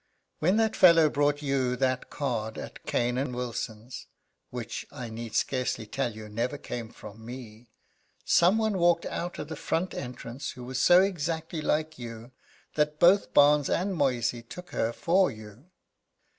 When that fellow brought you that card at Cane and Wilson's which, I need scarcely tell you, never came from me some one walked out of the front entrance who was so exactly like you that both Barnes and Moysey took her for you.